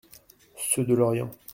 Ceux de Lorient.